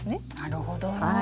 なるほどな。